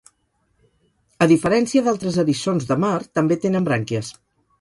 A diferència d'altres eriçons de mar, també tenen brànquies.